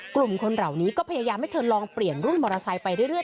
กลุ่มคนเหล่านี้ก็พยายามให้เธอลองเปลี่ยนรุ่นมอเตอร์ไซค์ไปเรื่อย